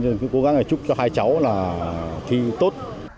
nên cứ cố gắng là chúc cho hai cháu là thi tốt